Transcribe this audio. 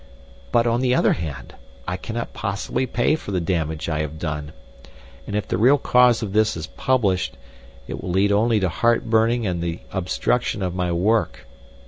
But on the other hand, I cannot possibly pay for the damage I have done, and if the real cause of this is published, it will lead only to heartburning and the obstruction of my work.